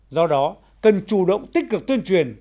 do đó cần chủ động tích cực tuyên truyền